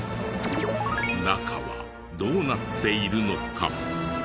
中はどうなっているのか？